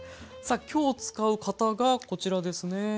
きょう使う型がこちらですね。